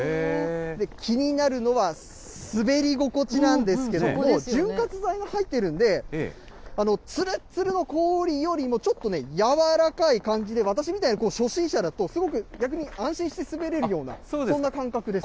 気になるのは、滑り心地なんですけれども、潤滑剤が入っているんで、つるっつるの氷よりもちょっとやわらかい感じで、私みたいな初心者だと、すごく逆に安心して滑れるような、そんな感覚です。